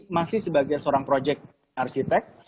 masih sebagai seorang projek arsitek